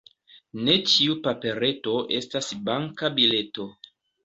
Ne ĉiu papereto estas banka bileto.